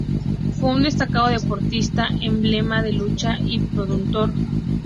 Fue un destacado deportista, emblema de lucha y pundonor.